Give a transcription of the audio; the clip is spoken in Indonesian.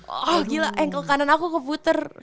oh gila ankle kanan aku keputar